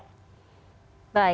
baik pak soni